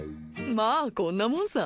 まあこんなもんさ